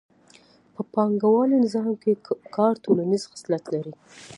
په پانګوالي نظام کې کار ټولنیز خصلت لري